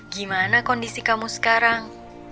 gimana kondisi kamu sekarang